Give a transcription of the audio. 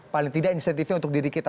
paling tidak insentifnya untuk diri kita